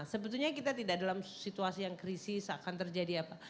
sebetulnya kita tidak dalam situasi yang krisis akan terjadi apa